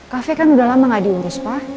kafe kan udah lama nggak diurus pa